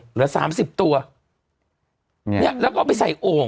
เหลือสามสิบตัวเนี่ยแล้วก็เอาไปใส่โอ่ง